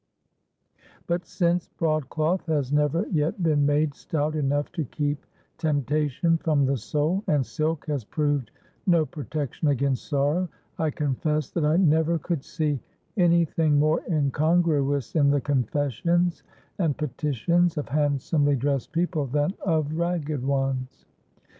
But, since broadcloth has never yet been made stout enough to keep temptation from the soul, and silk has proved no protection against sorrow, I confess that I never could see any thing more incongruous in the confessions and petitions of handsomely dressed people than of ragged ones.